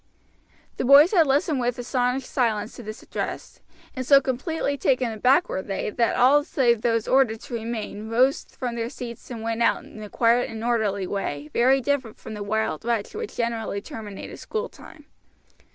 The boys had listened with astonished silence to this address, and so completely taken aback were they that all save those ordered to remain rose from their seats and went out in a quiet and orderly way, very different from the wild rush which generally terminated school time.